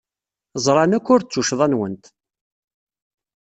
Ẓran akk ur d tuccḍa-nwent.